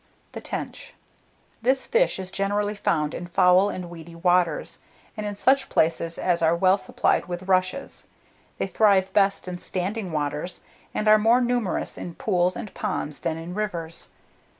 [Illustration: THE TENCH.] THE TENCH. This fish is generally found in foul and weedy waters, and in such places as are well supplied with rushes. They thrive best in standing waters, and are more numerous in pools and ponds than in rivers.